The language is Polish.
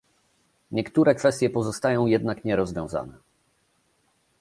Niektóre kwestie pozostają jednak nierozwiązane